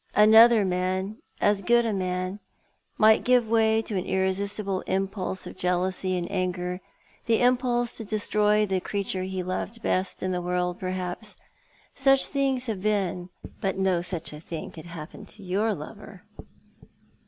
Another man — as good a man — might give way to an irresistible impulse of jealousy and anger — the impulse to destroy the creature he loved best in the world, i^erhaps. Such things have been. But no such a thing could happen to your lover."